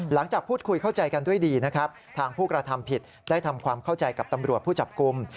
หลังจากพูดคุยเข้าใจกันด้วยดีนะครับทางผู้กระทำผิดได้ทำความเข้าใจกับตำรวจผู้จับกลุ่ม